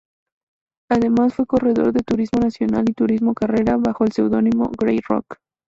Además, fue corredor de Turismo Nacional y Turismo Carretera, bajo el seudónimo Grey Rock.